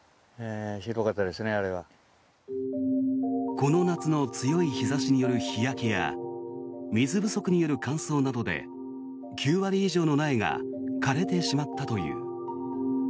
この夏の強い日差しによる日焼けや水不足による乾燥などで９割以上の苗が枯れてしまったという。